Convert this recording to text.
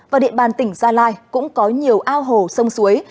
và địa bàn tỉnh gia lai cũng có nhiều ao hồ sông suối